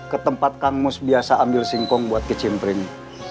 ke tempat kang mus biasa ambil singkong buat kecimprin